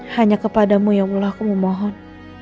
hanya kepadamu ya allah aku mau mohon